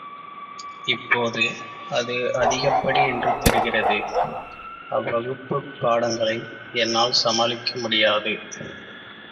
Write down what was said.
இப்போது அது, அதிகப்படி என்று தெரிகிறது அவ்வகுப்புப் பாடங்களை என்னால் சமாளிக்க முடியாது.